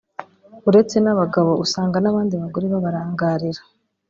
uretse n’abagabo usanga n’abandi bagore babarangarira